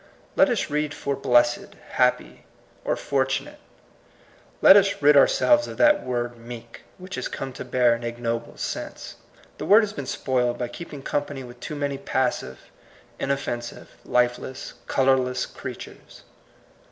Let us read for blessed^ bappy or fortunate ; let us rid our selves of that word meek^ which has come to bear an ignoble sense. The word has been spoiled by keeping company with too many passive, inoffensive, lifeless, colorless creatures.